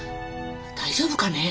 大丈夫かねえ。